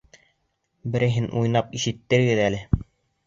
Берәйһен уйнап ишеттерегеҙ әле!